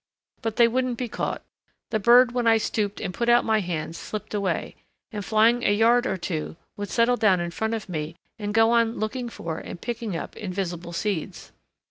But they wouldn't be caught: the bird when I stooped and put out my hands slipped away, and flying a yard or two would settle down in front of me and go on looking for and picking up invisible seeds.